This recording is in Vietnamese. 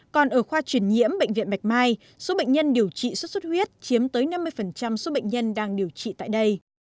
còn ở khoa truyền nhiễm bệnh viện bạch mai số bệnh nhân điều trị xuất xuất huyết chiếm tới năm mươi số bệnh nhân đang điều trị tại đây